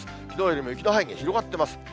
きのうよりも雪の範囲が広がっています。